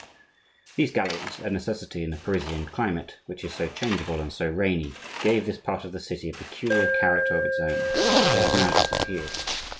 These galleries, a necessity in the Parisian climate, which is so changeable and so rainy, gave this part of the city a peculiar character of its own; but they have now disappeared.